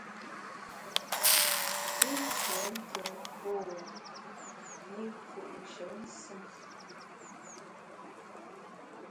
I nsuo nké pô yi mfù’she nsùm.